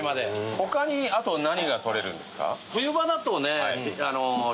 他にあと何が捕れるんですか？